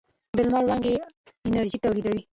د لمر وړانګې انرژي تولیدوي.